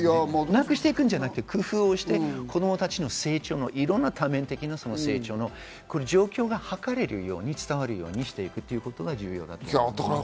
なくしていくんじゃなくて、工夫して子供たちの成長の、いろんな多面的な成長の状況が図れるように伝わるようにしていくということが重要だと思います。